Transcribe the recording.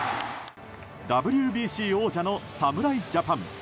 ＷＢＣ王者の侍ジャパン。